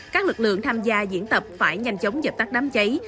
các lực lượng tham gia diễn tập phải nhanh chóng dập tắt đám cháy